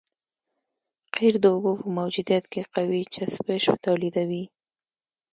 قیر د اوبو په موجودیت کې قوي چسپش تولیدوي